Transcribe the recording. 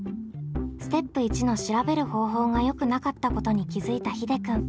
ステップ１の「調べる方法」がよくなかったことに気付いたひでくん。